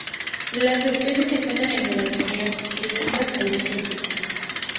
Las especies se encuentran en Nueva Guinea e islas adyacentes.